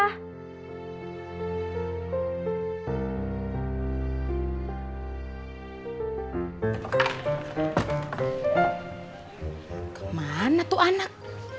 ke mana tuh anak